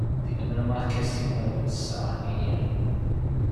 ¡ dígame no más que sinvergüenzada, niño!...